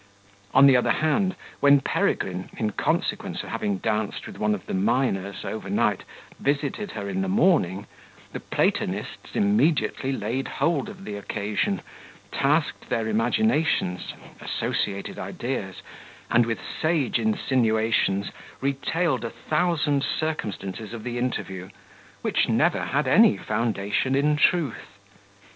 On the other hand, when Peregrine, in consequence of having danced with one of the minors overnight, visited her in the morning, the Platonists immediately laid hold on the occasion, tasked their imaginations, associated ideas, and, with sage insinuations, retailed a thousand circumstances of the interview, which never had any foundation in truth.